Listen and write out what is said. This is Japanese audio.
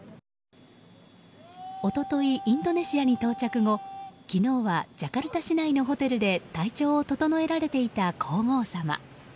一昨日、インドネシアに到着後昨日はジャカルタ市内のホテルで体調を整えられていた皇后さま。